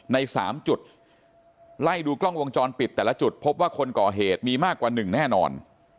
ใน๓จุดไล่ดูกล้องวงจรปิดแต่ละจุดพบว่าคนก่อเหตุมีมากกว่า๑แน่นอน